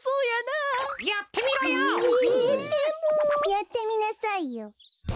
やってみなさいよ。